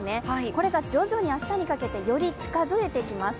これが徐々に明日にかけてより近づいてきます。